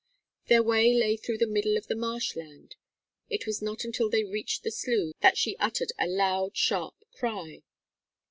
Their way lay through the middle of the marsh land. It was not until they reached the slough that she uttered a loud sharp cry.